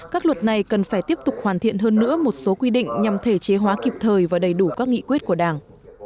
các luật này cần phải tiếp tục hoàn thiện hơn nữa một số quy định nhằm thể chế hóa kịp thời và đầy đủ các nghị quyết của đảng